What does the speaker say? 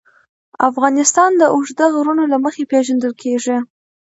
افغانستان د اوږده غرونه له مخې پېژندل کېږي.